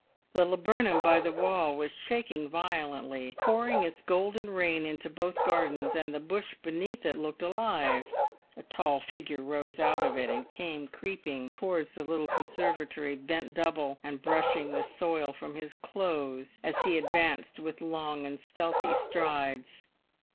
The laburnum by the wall was shaking violently, pouring its golden rain into both gardens, and the bush beneath it looked alive; a tall figure rose out of it, and came creeping towards the little conservatory, bent double, and brushing the soil from his clothes as he advanced with long and stealthy strides.